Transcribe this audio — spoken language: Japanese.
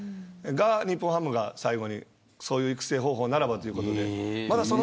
日本ハムが、そういう育成方法ならばということで。